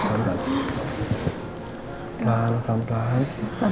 pelan pelan pelan